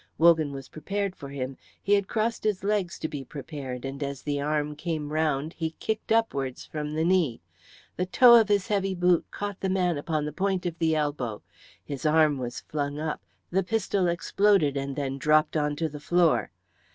Wogan was prepared for him; he had crossed his legs to be prepared, and as the arm came round he kicked upwards from the knee. The toe of his heavy boot caught the man upon the point of the elbow. His arm was flung up; the pistol exploded and then dropped onto the floor.